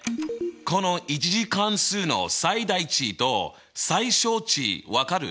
この１次関数の最大値と最小値分かる？